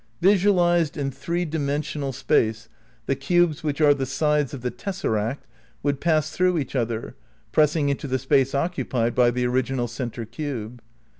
Visualized in three dimensional space the cubes which are the sides of the tessaract would pass through each other, press ing into the space occupied by the original centre cube.